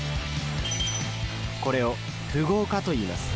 これを「符号化」といいます。